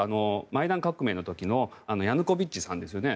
マイダン革命の時のヤヌコビッチさんですよね。